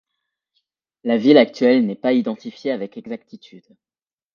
La ville actuelle n'est pas identifiée avec exactitude.